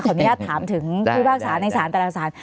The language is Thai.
ตอนนี้ถามถึงผู้พรากษาในสารตลาดสาร